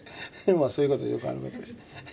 そういうことよくあることですね。